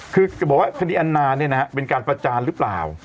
คือจะบอกว่าคดีแอนนาเนี่ยนะฮะเป็นการประจานหรือเปล่า